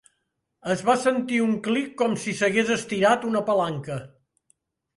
Es va sentir un clic com si s'hagués estirat una palanca.